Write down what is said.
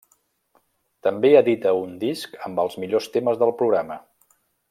També edita un disc amb els millors temes del programa.